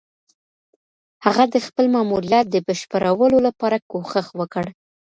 هغه د خپل ماموريت د بشپړولو لپاره کوښښ وکړ.